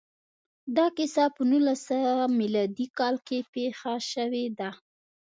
دا کیسه په نولس سوه میلادي کال کې پېښه شوې ده